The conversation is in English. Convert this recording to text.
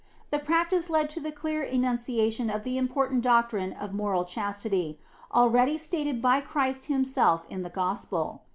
The practice led to the clear enunciation of the important doctrine of moral chastity, already stated by Christ himself in the Gospel.